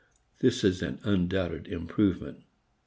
This is an undoubted improvement.